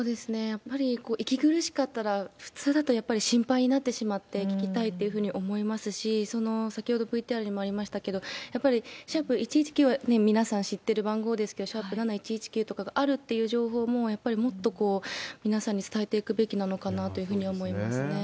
やっぱり息苦しかったら、普通だとやっぱり心配になってしまって聞きたいっていうふうに思いますし、先ほどＶＴＲにもありましたけど、やっぱり＃１１９は皆さん知ってる番号ですけど、＃７１１９とかがあるっていう情報も、やっぱりもっと皆さんに伝えていくべきだと思いますね。